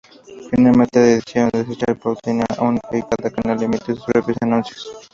Finalmente decidieron desechar la pauta única y cada canal emite sus propios anuncios.